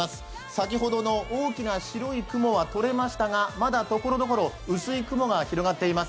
先ほどの大きな白い雲はとれましたが、まだところどころ薄い雲が広がっています。